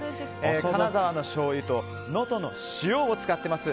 金沢のしょうゆと能登の塩を使っています。